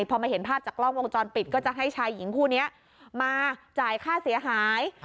พอมาเห็นภาพจากกล้องวงจรปิดก็จะให้ชายหญิงคู่นี้มาจ่ายค่าเสียหาย